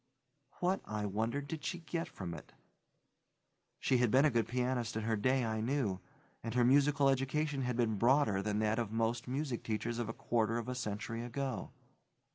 What, I wondered, did she get from it? She had been a good pianist in her day I knew, and her musical education had been broader than that of most music teachers of a quarter of a century ago.